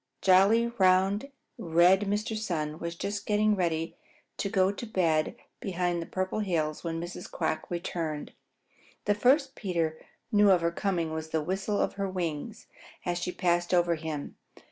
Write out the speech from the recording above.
Jolly, round, red Mr. Sun was just getting ready to go to bed behind the Purple Hills when Mrs. Quack returned. The first Peter knew of her coming was the whistle of her wings as she passed over him.